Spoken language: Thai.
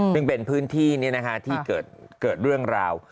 นึกเป็นพื้นที่นี่นะคะที่เกิดเรื่องราว